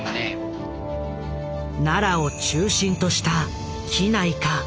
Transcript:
奈良を中心とした畿内か？